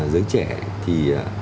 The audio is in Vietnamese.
giới trẻ thì